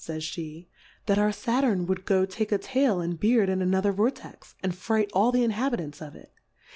f Jhe^ that our Saturn would go take a Tail and a Beard in another Vortex, and fright all the Inhabitants of it.